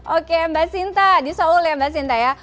oke mbak shinta di seoul ya mbak shinta ya